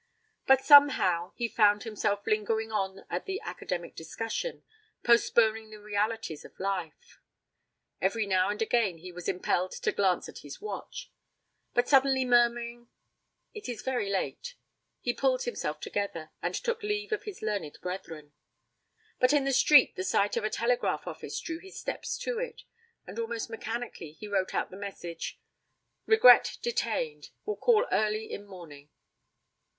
But somehow he found himself lingering on at the academic discussion, postponing the realities of life. Every now and again, he was impelled to glance at his watch; but suddenly murmuring, 'It is very late,' he pulled himself together, and took leave of his learned brethren. But in the street the sight of a telegraph office drew his steps to it, and almost mechanically he wrote out the message: 'Regret detained. Will call early in morning.'